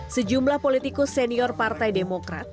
sejumlah politikus senior partai demokrat